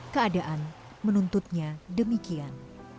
keadaan menuntutnya demikian